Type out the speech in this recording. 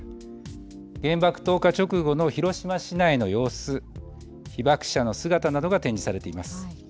原爆投下直後の広島市内の様子被爆者の姿などが展示されています。